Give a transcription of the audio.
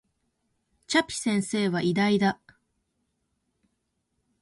チャピ先生は偉大だ